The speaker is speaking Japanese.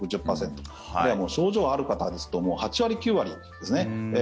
症状がある方ですともう８割、９割ですね